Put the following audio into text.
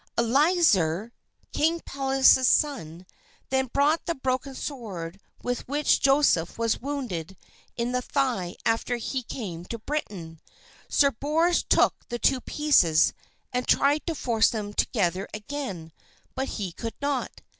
Eliazar, King Pelleas' son, then brought the broken sword with which Joseph was wounded in the thigh after he came to Britain. Sir Bors took the two pieces and tried to force them together again, but he could not.